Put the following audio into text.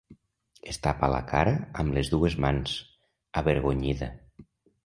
Es tapa la cara amb les dues mans, avergonyida.